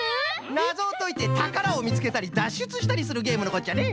なぞをといてたからをみつけたりだっしゅつしたりするゲームのこっちゃね。